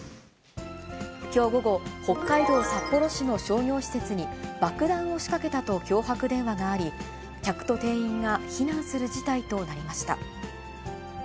きょう午後、北海道札幌市の商業施設に、爆弾を仕掛けたと脅迫電話があり、客と店員が避難する事態となりました。